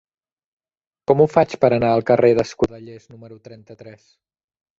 Com ho faig per anar al carrer d'Escudellers número trenta-tres?